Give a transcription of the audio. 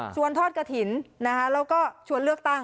ชวนทอดกะหินและก็ชวนเลือกตั้ง